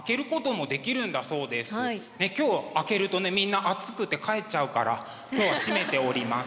今日開けるとねみんな暑くて帰っちゃうから今日は閉めております。